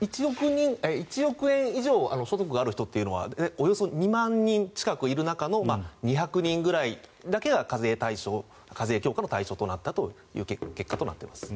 １億円以上所得がある人はおよそ２万人近くいる中の２００人ぐらいだけが課税強化の対象となった結果となっています。